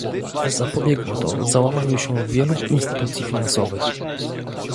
Zapobiegło to załamaniu się wielu instytucji finansowych